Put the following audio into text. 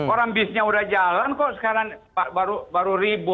orang bisnya udah jalan kok sekarang baru ribut